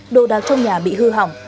đồ đạc trong nhà bị hư hỏng